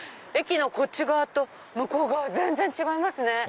駅のこっち側と向こう側全然違いますね。